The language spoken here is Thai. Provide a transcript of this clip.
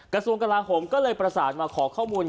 กระทรวงกลาโหมก็เลยประสานมาขอข้อมูล